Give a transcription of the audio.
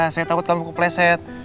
saya takut kamu kepleset